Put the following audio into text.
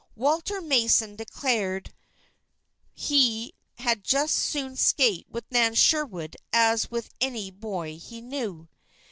Walter Mason declared he had just as soon skate with Nan Sherwood as with any boy he knew.